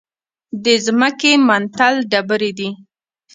د ځمکې منتل ډبرې دي.